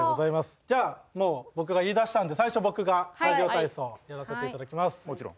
じゃあもう僕が言い出したので最初僕がラジオ体操やらせていただきます。もちろん。